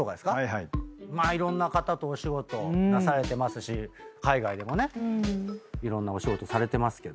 いろんな方とお仕事なされてますし海外でもねいろんなお仕事されてますけど。